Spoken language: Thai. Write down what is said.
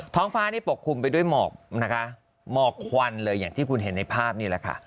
ท้องฟ้านี่ปกคลุมไปด้วยหมอกนะคะหมอกควันเลยอย่างที่คุณเห็นในภาพนี่แหละค่ะ